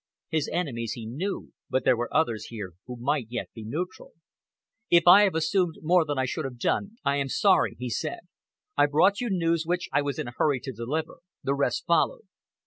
His enemies he knew, but there were others here who might yet be neutral. "If I have assumed more than I should have done, I am sorry," he said. "I brought you news which I was in a hurry to deliver. The rest followed."